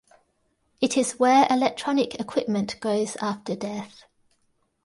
It is where electronic equipment goes after death.